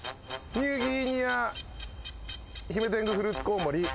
ニューギニアヒメテングフルーツコウモリ。